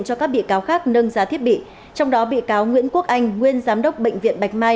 cho các bị cáo khác nâng giá thiết bị trong đó bị cáo nguyễn quốc anh nguyên giám đốc bệnh viện bạch mai